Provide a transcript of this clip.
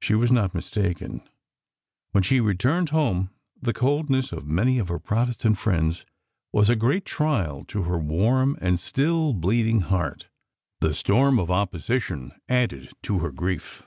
She was not mistaken. When she returned home the coldness of many of her Protestant friends was a great trial to her warm and still bleeding heart. The storm of opposition added to her grief.